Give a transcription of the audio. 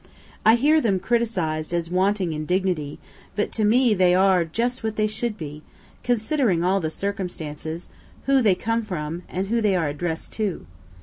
I hear them criticised as wanting in dignity, but to me they are just what they should be, considering all the circumstances, who they come from, and who they are address'd to.